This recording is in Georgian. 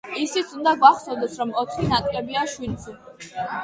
ისიც უნდა გვახსოვდეს, რომ ოთხი ნაკლებია შვიდზე.